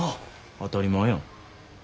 当たり前やん。